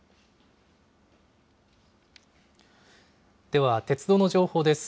では、鉄道の情報です。